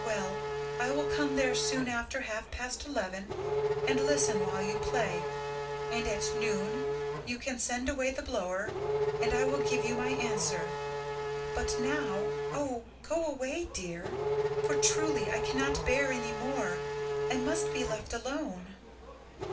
Well I will come there soon after half past eleven and listen while you play; and at noon you can send away the blower, and I will give you my answer. But now oh, go away, dear; for truly I cannot bear anymore. I must be left alone."